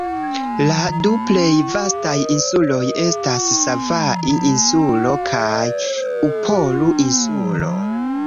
La du plej vastaj insuloj estas Savaii-Insulo kaj Upolu-Insulo.